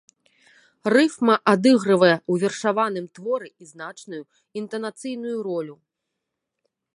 Рыфма адыгрывае ў вершаваным творы і значную інтанацыйную ролю.